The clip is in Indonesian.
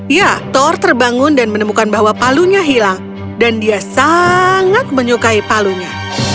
ya thor terbangun dan menemukan bahwa palunya hilang dan dia sangat menyukai palunya